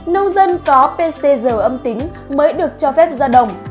nông dân có pcr âm tính mới được cho phép ra đồng